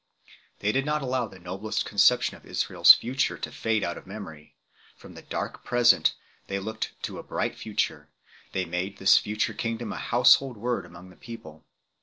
They did not allow the noblest con ception of Israel s future to fade out of memory; from the dark present they looked to the bright future ; they made this future kingdom a household word among the people.